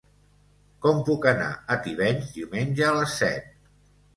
Com puc anar a Tivenys diumenge a les set?